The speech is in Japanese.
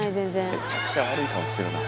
めちゃくちゃ悪い顔してるな。